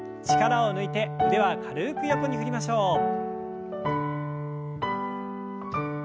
力を抜いて腕は軽く横に振りましょう。